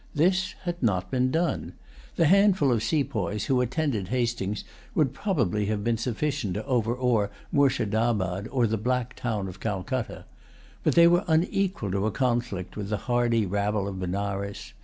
This had not been done. The handful of sepoys who attended Hastings would probably have been sufficient to overawe Moorshedabad, or the Black Town of Calcutta. But they were unequal to a conflict with the hardy rabble of Benares.